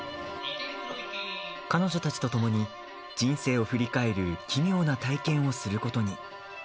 彼女たちとともに人生を振り返る奇妙な体験をすることに。